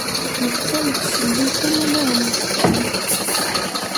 Netta yettselliken ulawen yeṣfan.